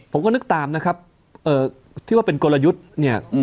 ผมก็นึกตามนะครับที่ว่าเป็นกลยุทธ์เนี่ย